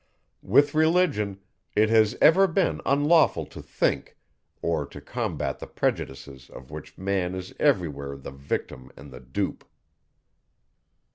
With Religion, it has ever been unlawful to think, or to combat the prejudices of which man is every where the victim and the dupe.